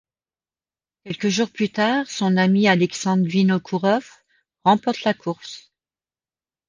Quelques jours plus tard, son ami Alexandre Vinokourov remporte la course.